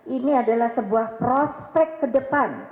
ini adalah sebuah prospek ke depan